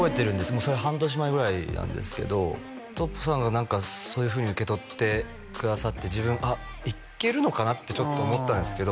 もうそれ半年前ぐらいなんですけどトッポさんがそういうふうに受け取ってくださって自分あっいけるのかなってちょっと思ったんですけど